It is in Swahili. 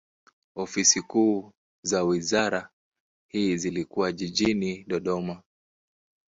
Ofisi kuu za wizara hii zilikuwa jijini Dodoma.